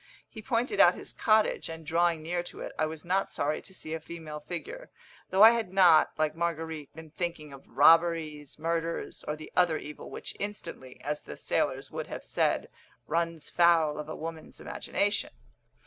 He pointed out his cottage; and, drawing near to it, I was not sorry to see a female figure, though I had not, like Marguerite, been thinking of robberies, murders, or the other evil which instantly, as the sailors would have said, runs foul of a woman's imagination.